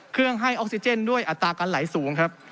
ให้ออกซิเจนด้วยอัตราการไหลสูงครับ